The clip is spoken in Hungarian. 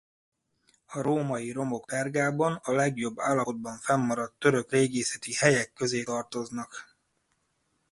A római romok Pergában a legjobb állapotban fennmaradt török régészeti helyek közé tartoznak.